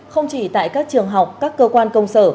không chỉ tại các trường học các cơ quan công sở